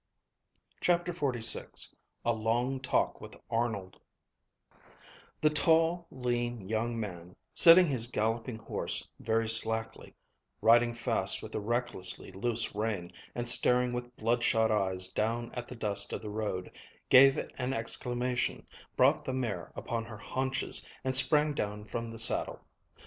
CHAPTER XLVI A LONG TALK WITH ARNOLD The tall, lean young man, sitting his galloping horse very slackly, riding fast with a recklessly loose rein, and staring with bloodshot eyes down at the dust of the road, gave an exclamation, brought the mare upon her haunches, and sprang down from the saddle.